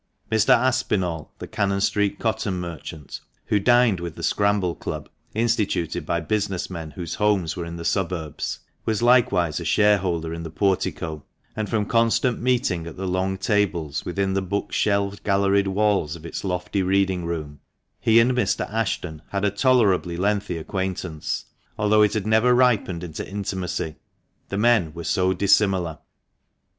Mr. Aspinall, the Cannon Street cotton merchant (who dined with the Scramble Club, instituted by business men whose homes were in the suburbs), was likewise a shareholder in the Portico ; and from constant meeting at the long tables within the book shelved, galleried walls of its lofty reading room, he and Mr. Ashton had a tolerably lengthy acquaintance, although it had never ripened into intimacy — the men were so dissimilar.